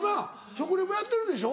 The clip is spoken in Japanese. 食リポやってるでしょ？